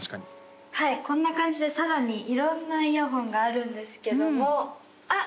はいこんな感じでさらに色んなイヤホンがあるんですけどもあっ